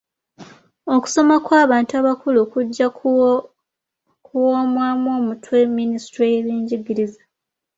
Okusoma kw'abantu abakulu kujja kuwomwamu omutwe minisitule y'ebyenjigiriza.